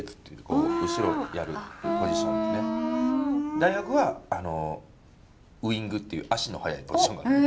大学はウイングっていう足の速いポジションがある。